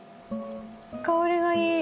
香りがいい。